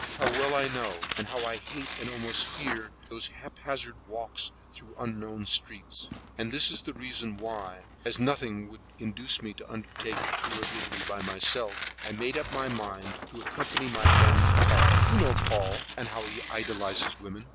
How well I know, and how I hate and almost fear, those haphazard walks through unknown streets; and this was the reason why, as nothing would induce me to undertake a tour in Italy by myself, I made up my mind to accompany my friend Paul Pavilly. You know Paul, and how he idealizes women.